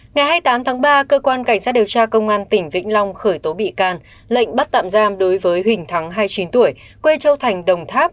ngày hai mươi tám tháng ba cơ quan cảnh sát điều tra công an tỉnh vĩnh long khởi tố bị can lệnh bắt tạm giam đối với huỳnh thắng hai mươi chín tuổi quê châu thành đồng tháp